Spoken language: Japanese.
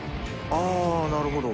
あぁなるほど。